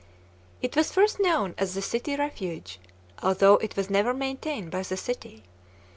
It was first known as the City Refuge, although it was never maintained by the city.